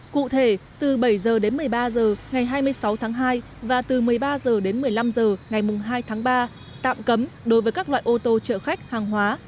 cụ thể từ bảy h đến một mươi ba h ngày hai mươi sáu tháng hai và từ một mươi ba h đến một mươi năm h ngày hai tháng ba tạm cấm đối với các loại ô tô chở khách hàng hóa